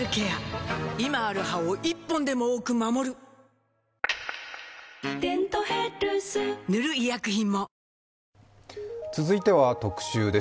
今ある歯を１本でも多く守る「デントヘルス」塗る医薬品も続いては、特集です。